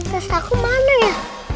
hah tas aku mana ya